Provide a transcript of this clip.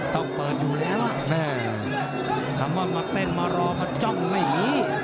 ต้องเปิดอยู่แล้วล่ะแม่คำว่ามาเต้นมารอมาจ้องไม่มี